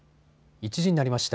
１時になりました。